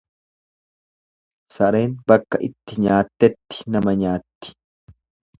Sareen bakka itti nyaattetti nama nyaatti.